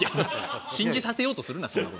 信じさせようとするなそんな事。